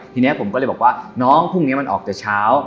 ทีนี้ผมก็เลยบอกว่าน้องพรุ่งนี้มันออกแต่เช้า